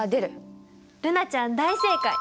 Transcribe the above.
瑠菜ちゃん大正解！